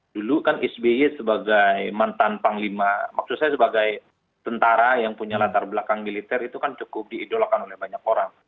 dulu kan sby sebagai mantan panglima maksud saya sebagai tentara yang punya latar belakang militer itu kan cukup diidolakan oleh banyak orang